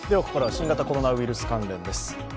ここからは新型コロナウイルス関連です。